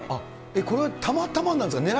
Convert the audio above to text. これはたまたまなんですか？